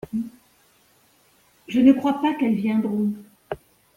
Je ne crois pas qu'elles viendront.